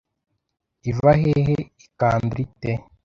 Iva hehe ikandura ite